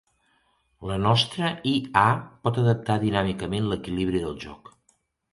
La nostra IA pot adaptar dinàmicament l'equilibri del joc.